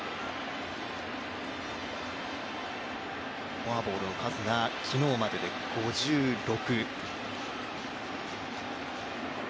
フォアボールの数が昨日までで５６。